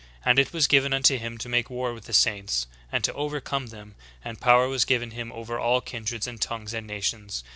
And it was given unto him to make war with the saints, and to overcome them : and power was given him over all kindreds, and tongues, and nations.